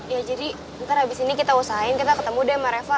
ya jadi ntar abis ini kita usahain kita ketemu deh sama reva